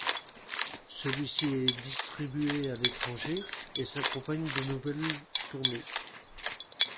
Celui-ci est distribué à l'étranger et s'accompagne de nouvelles tournées.